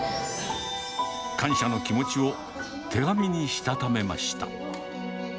感謝の気持ちを手紙にしたためました。